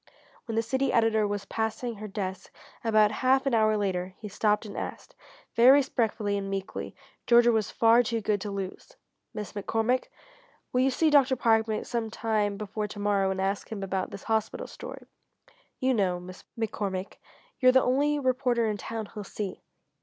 When the city editor was passing her desk about half an hour later he stopped and asked, very respectfully and meekly Georgia was far too good to lose: "Miss McCormick, will you see Dr. Parkman some time before to morrow, and ask him about this hospital story? You know, Miss McCormick, you're the only reporter in town he'll see."